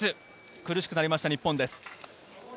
苦しくなりました、日本です。